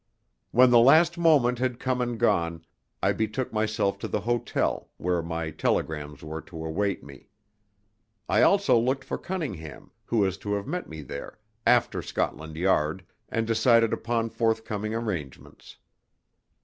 When the last moment had come and gone I betook myself to the hotel, where my telegrams were to await me. I also looked for Cunningham, who was to have met me there, after Scotland Yard, and decided upon forthcoming arrangements.